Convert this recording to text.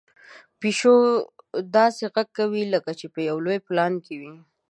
پيشو داسې غږ کوي لکه چې په یو لوی پلان کې وي.